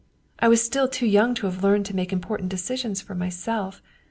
I was still too young to have learned to make important decisions for myself.